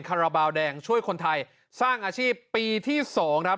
คาราบาลแดงช่วยคนไทยสร้างอาชีพปีที่๒ครับ